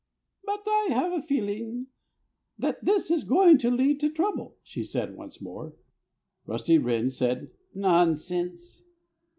"But I have a feeling that this is going to lead to trouble," she said once more. Rusty Wren said, "Nonsense!"